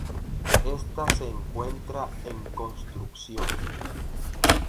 Esta se encuentra en construcción.